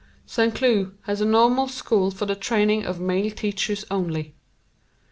San Cloo has a normal school for the training of male teachers only.